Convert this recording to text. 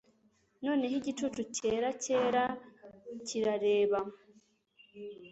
Noneho igicucu cyera cyera kirareba